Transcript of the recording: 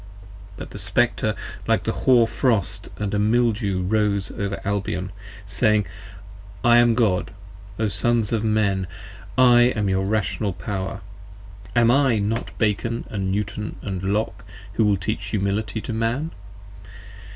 15 But the Spectre like a hoar frost & a Mildew rose over Albion, Saying, I am God, O Sons of Men! I am your Rational Power! Am I not Bacon & Newton & Locke who teach Humility to Man?